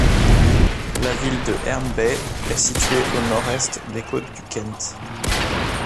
La ville de Herne Bay est située au nord-est des côtes du Kent.